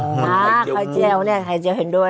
ห้าไห่เจวนี่ไห่เจวเห็นด้วย